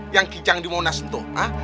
yang kijang di monasento ha